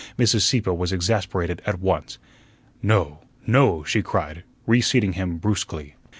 Mrs. Sieppe was exasperated at once. "No, no," she cried, reseating him brusquely.